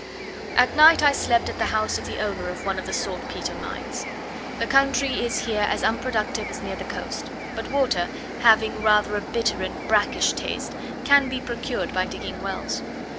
At night I slept at the house of the owner of one of the saltpetre mines. The country is here as unproductive as near the coast; but water, having rather a bitter and brackish taste, can be procured by digging wells.